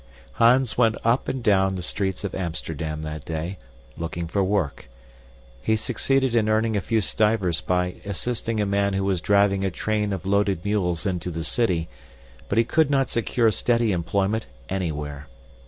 Hans went up and down the streets of Amsterdam that day, looking for work. He succeeded in earning a few stivers by assisting a man who was driving a train of loaded mules into the city, but he could not secure steady employment anywhere.